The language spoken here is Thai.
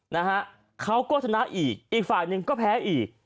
นะฮะเขาก็ชนะอีกอีกฝ่ายหนึ่งก็แพ้อีก